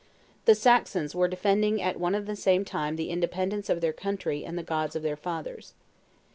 The Saxons were defending at one and the same time the independence of their country and the gods of their fathers.